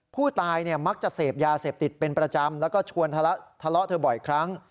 ผู้ตายเนี่ยมักจะเสพยาเสพติดเป็นประจำแล้วก็ชวนทะเลาะเธอบ่อยครั้ง